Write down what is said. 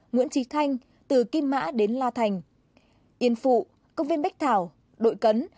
nguyễn trí thanh từ kim mã đến la thành yên phụ công viên bách thảo đội cấn